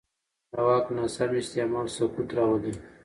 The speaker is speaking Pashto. د واک ناسم استعمال سقوط راولي